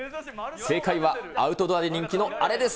正解は、アウトドアで人気のあれです。